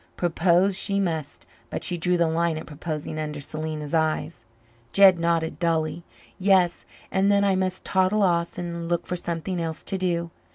Propose she must, but she drew the line at proposing under Selena's eyes. Jed nodded dully. "Yes, and then I must toddle off and look for something else to do.